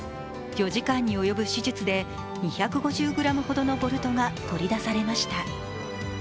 ４時間に及ぶ手術で２５０ｇほどのボルトが取り出されました。